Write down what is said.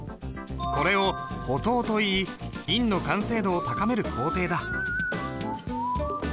これを補刀といい印の完成度を高める工程だ。